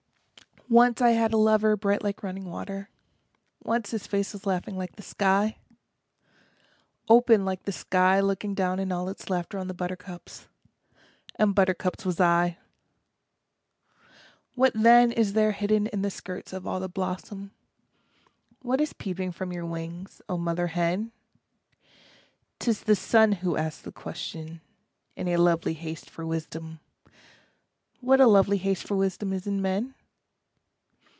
Once I had a lover bright like running water, Once his face was laughing like the sky; Open like the sky looking down in all its laughter On the buttercups and buttercups was I. What then is there hidden in the skirts of all the blossom, What is peeping from your wings, oh mother hen? 'T is the sun who asks the question, in a lovely haste for wisdom What a lovely haste for wisdom is in men?